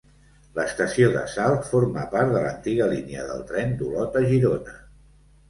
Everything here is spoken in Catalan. L'estació de Salt forma part de l'antiga línia del tren d'Olot a Girona.